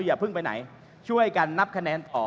อย่าเพิ่งไปไหนช่วยกันนับคะแนนออก